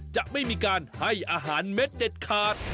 จะไม่มีการให้อาหารเม็ดเด็ดขาด